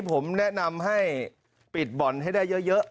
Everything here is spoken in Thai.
ผมแนะนำให้ปิดบ่อนให้ได้เยอะ